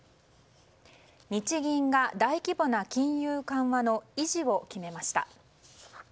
日銀が大規模な金融緩和の維持を決めました。